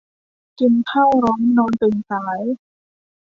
กินข้าวร้อนนอนตื่นสาย